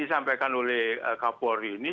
disampaikan oleh kapuari ini